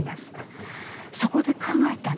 そこで考えたんです。